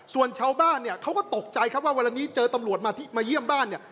ส่วนชาวบ้านเนี่ยเขาก็ตกใจครับว่าเวลานี้เจอตำรวจมาเยี่ยมบ้านเนี่ย